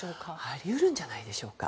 あり得るんじゃないでしょうか。